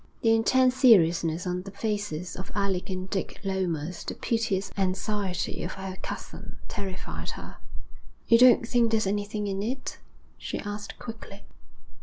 The intense seriousness on the faces of Alec and Dick Lomas, the piteous anxiety of her cousin, terrified her. 'You don't think there's anything in it?' she asked quickly.